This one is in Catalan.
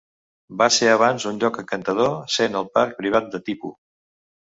Va ser abans un lloc encantador, sent el parc privat de Tipu.